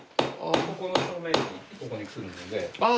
ここの正面にここにくるので。